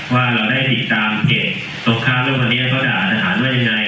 ว่าเราได้ติดตามเพจตรงข้ามเรื่องวันนี้เขาจะหาสถานว่ายังไง